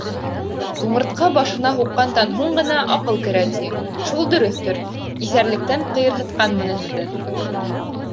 Тумыртҡа башына һуҡҡандан һуң ғына аҡыл керә, ти, шул дөрөҫтөр, иҫәрлектән ҡыйырһытҡанмын һеҙҙе.